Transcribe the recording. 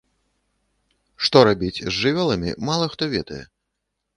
Што рабіць з жывёламі, мала хто ведае.